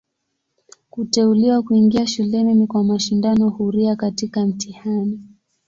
Kuteuliwa kuingia shuleni ni kwa mashindano huria katika mtihani.